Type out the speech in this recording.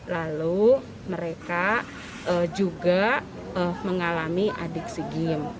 lalu mereka juga mengalami adik sigim